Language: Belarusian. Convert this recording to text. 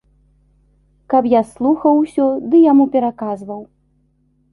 Каб я слухаў усё ды яму пераказваў.